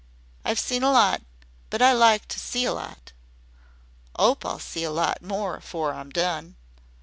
I've seen a lot but I like to see a lot. 'Ope I'll see a lot more afore I'm done.